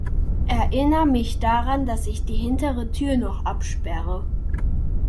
Erinner mich daran, dass ich die hintere Tür noch absperre.